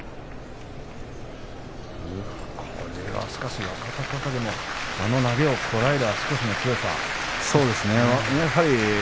これは若隆景もあの投げをこらえる足腰の強さ。